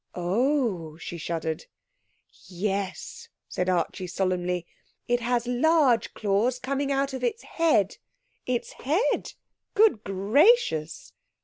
'Oh h h,' she shuddered. 'Yes,' said Archie solemnly. 'It has large claws coming out of its head.' 'Its head! Good gracious!'